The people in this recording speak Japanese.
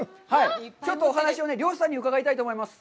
ちょっとお話を漁師さんに伺いたいと思います。